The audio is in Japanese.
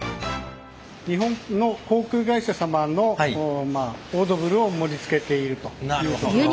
日本の航空会社様のオードブルを盛りつけていると。